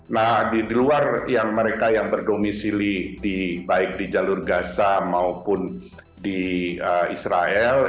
nah di luar yang mereka yang berdomisili baik di jalur gaza maupun di israel